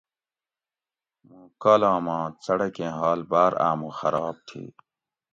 موں کالاماں څڑکیں حال بار آمو خراب تھی